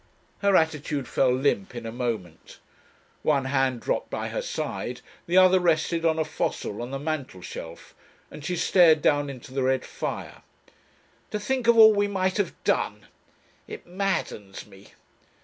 Her attitude fell limp in a moment. One hand dropped by her side, the other rested on a fossil on the mantel shelf, and she stared down into the red fire. "To think of all we might have done! It maddens me!